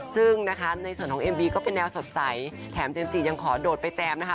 ซึ่งนะคะในส่วนของเอ็มบีก็เป็นแนวสดใสแถมเจมสจียังขอโดดไปแจมนะคะ